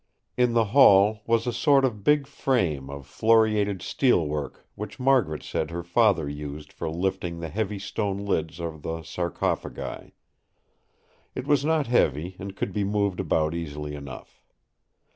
In the hall was a sort of big frame of floriated steel work which Margaret said her father used for lifting the heavy stone lids of the sarcophagi. It was not heavy and could be moved about easily enough.